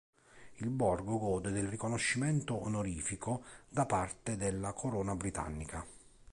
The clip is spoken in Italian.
Il borgo gode del riconoscimento onorifico da parte della Corona britannica.